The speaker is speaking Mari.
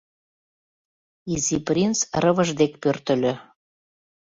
Изи принц Рывыж дек пӧртыльӧ.